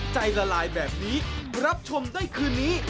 ละลายแบบนี้รับชมได้คืนนี้